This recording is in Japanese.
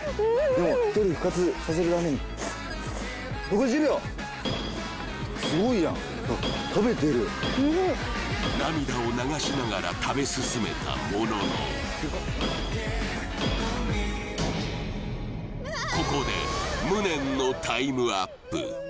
でも１人復活させるために残り１０秒食べてる涙を流しながら食べ進めたもののここで無念のタイムアップ